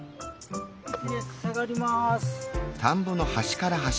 一列下がります。